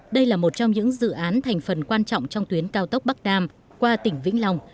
đây là một trong những dự án thành phần quan trọng trong tuyến cao tốc bắc nam qua tỉnh vĩnh long